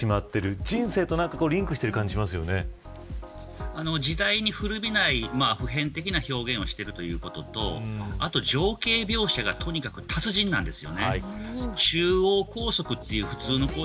人生とリンクしている感じが時代に古びない普遍的な表現をしているということと情景描写がとにかく達人なんです。